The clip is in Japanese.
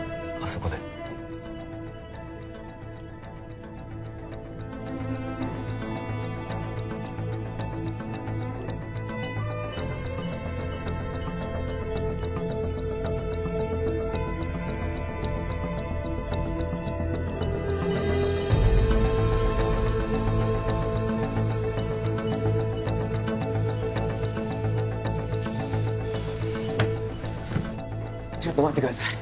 そこで・はいちょっと待ってください